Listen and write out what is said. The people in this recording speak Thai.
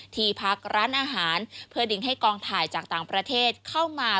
ที่พักร้านอาหารเพื่อดึงให้กองถ่ายจากต่างประเทศเข้ามา